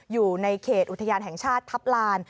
อยู่ในเขตอุทยานแห่งชาติทัพลาน